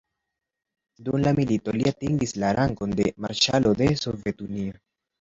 Dum la milito, li atingis la rangon de Marŝalo de Sovetunio.